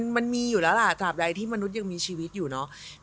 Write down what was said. มันมีอยู่แล้วละถ้าอยากด้วยมนุษยังมีชีวิตอยู่น่ะ